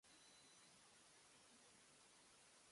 法政大学に通っています。